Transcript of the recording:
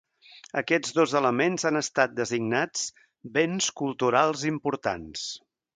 Aquests dos elements han estat designats Béns Culturals Importants.